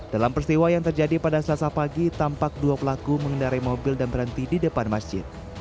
dalam peristiwa yang terjadi pada selasa pagi tampak dua pelaku mengendarai mobil dan berhenti di depan masjid